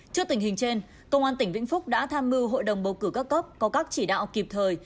trước tình hình trên công an tỉnh vĩnh phúc đã tham mưu hội đồng bầu cử các cấp có các chỉ đạo kịp thời